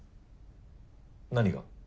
何が？